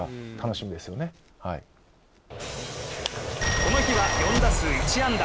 この日は４打数１安打。